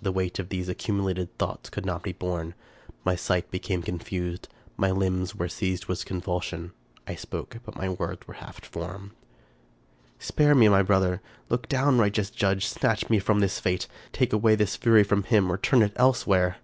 The weight of these accumulated thoughts could not be borne. My sight became confused; my limbs were seized with convulsion; I spoke, but my words were half formed :—" Spare me, my brother ! Look down, righteous Judge ! snatch me from this fate ! take away this fury from him, or turn it elsewhere